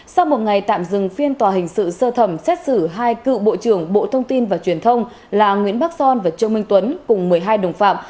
sau một ngày tạm dừng phiên tòa hình sự sơ thẩm xét xử hai cựu bộ trưởng bộ thông tin và truyền thông là nguyễn bắc son và trương minh tuấn cùng một mươi hai đồng phạm